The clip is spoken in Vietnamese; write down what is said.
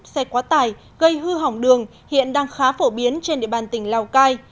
xe quá tải gây hư hỏng đường hiện đang khá phổ biến trên địa bàn tỉnh lào cai